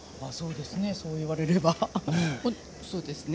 そう言われればそうですね。